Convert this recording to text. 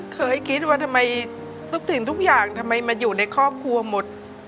เคยคิดว่าทำไมทุกสิ่งทุกอย่างทำไมมาอยู่ในครอบครัวหมด